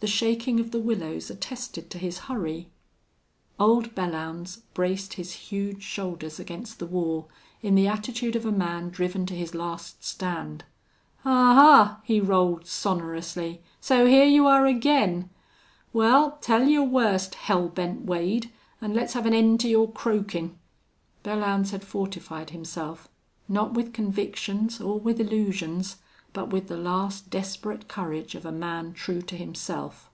The shaking of the willows attested to his hurry. Old Belllounds braced his huge shoulders against the wall in the attitude of a man driven to his last stand. "Ahuh!" he rolled, sonorously. "So hyar you are again?... Wal, tell your worst, Hell Bent Wade, an' let's have an end to your croakin'." Belllounds had fortified himself, not with convictions or with illusions, but with the last desperate courage of a man true to himself.